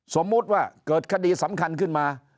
สมมุติว่าเกิดคดีสำคัญขึ้นมา